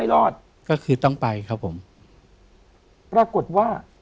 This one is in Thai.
พี่น้องรู้ไหมว่าพ่อจะตายแล้วนะ